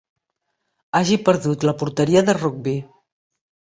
Hagi perdut la porteria de rugbi.